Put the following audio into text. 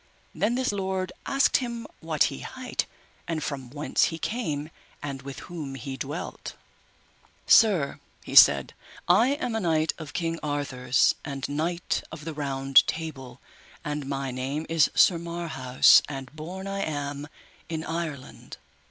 Then this lord asked him what he hight, and from whence he came, and with whom he dwelt. Sir, he said, I am a knight of King Arthur's and knight of the Table Round, and my name is Sir Marhaus, and born I am in Ireland.